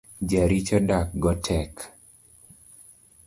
Jaricho dak go tek.